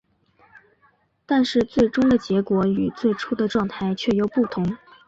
但是最终的结果与最初的状态却又不同。